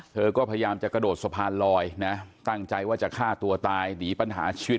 เธอก็พยายามจะกระโดดสะพานลอยนะตั้งใจว่าจะฆ่าตัวตายหนีปัญหาชีวิต